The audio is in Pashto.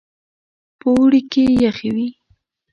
په اوړي کې يخې وې.